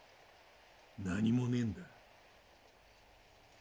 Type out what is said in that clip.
何もねえんだ。